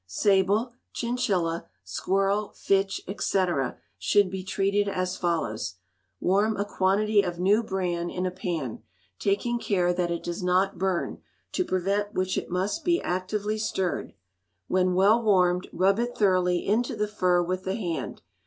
Sable, chinchilla, squirrel, fitch, &c., should be treated as follows: Warm a quantity of new bran in a pan, taking care that it does not burn, to prevent which it must be actively stirred. When well warmed, rub it thoroughly into the fur with the hand.